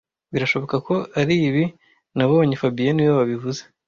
Birashoboka ko aribi nabonye fabien niwe wabivuze